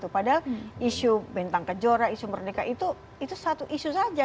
padahal isu bentang kejora isu merdeka itu satu isu saja